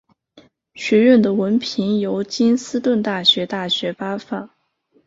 学院的文凭由金斯顿大学大学发放。